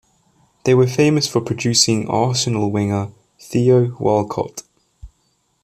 They were famous for producing Arsenal winger Theo Walcott.